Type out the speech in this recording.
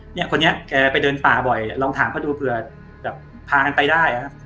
เนี่ยคนนี้แกไปเดินป่าบ่อยลองถามเขาดูเผื่อแบบพากันไปได้ครับ